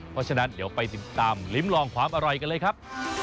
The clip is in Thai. เพราะฉะนั้นเดี๋ยวไปติดตามลิ้มลองความอร่อยกันเลยครับ